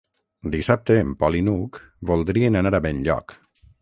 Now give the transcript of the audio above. Dissabte en Pol i n'Hug voldrien anar a Benlloc.